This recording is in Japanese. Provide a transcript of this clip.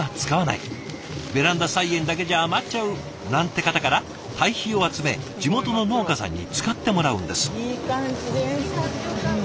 ベランダ菜園だけじゃ余っちゃうなんて方から堆肥を集め地元の農家さんに使ってもらうんです。